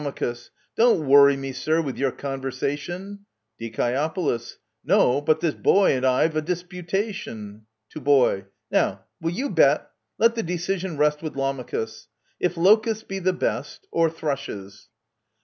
Don't worry me, sir, with your conversation ! Die. No ;— but this boy and I've a disputation. (To Boy) Now, will you bet? — let the decision rest With Lamachus — if locusts be the best — Or thrushes.